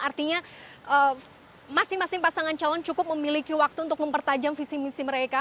artinya masing masing pasangan calon cukup memiliki waktu untuk mempertajam visi misi mereka